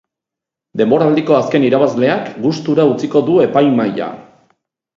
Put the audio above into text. Denboraldiko azken irabazleak gustura utziko du epaimahaia.